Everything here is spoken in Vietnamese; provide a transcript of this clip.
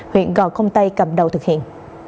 huyện gò công tây cầm đầu thực hiện